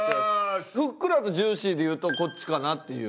ふっくらとジューシーでいうとこっちかなっていう。